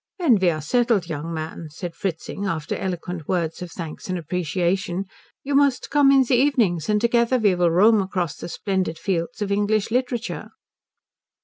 "When we are settled, young man," said Fritzing, after eloquent words of thanks and appreciation, "you must come in the evenings, and together we will roam across the splendid fields of English literature."